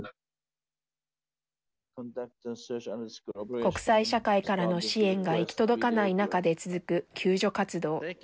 国際社会からの支援が行き届かない中で続く救助活動。